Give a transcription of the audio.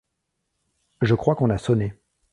Je crois qu'on a sonné.